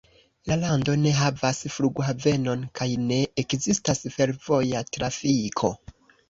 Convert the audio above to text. La lando ne havas flughavenon, kaj ne ekzistas fervoja trafiko.